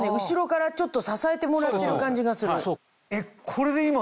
後ろからちょっと支えてもらってる感じがする。